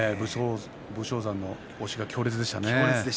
武将山の押しが強烈でしたね。